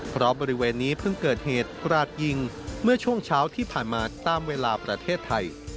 เพราะบริเวณนี้เพิ่งเกิดเหตุกราดยิงเมื่อช่วงเช้าที่ผ่านมาตามเวลาประเทศไทย